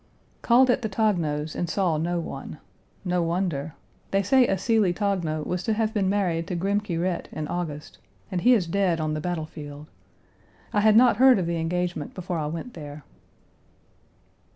Called at the Tognos' and saw no one; no wonder. They say Ascelie Togno was to have been married to Grimke Rhett in August, and he is dead on the battle field. I had not heard of the engagement before I went there.